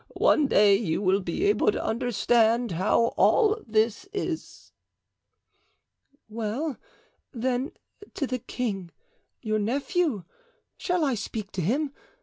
One day you will be able to understand how all this is." "Well, then, to the king, your nephew. Shall I speak to him?